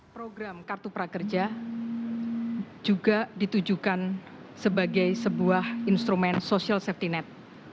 program kartu prakerja juga ditujukan sebagai sebuah instrumen social safety net